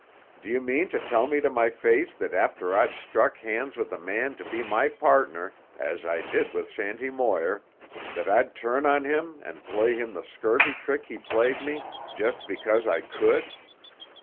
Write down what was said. "D'you mean to tell me to my face that after I'd struck hands with a man to be my partner, as I did with Shanty Moir, that I'd turn on him and play him the scurvy trick he played me, just because I could?